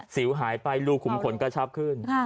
สิวหายไปรูขุมขนกระชับขึ้น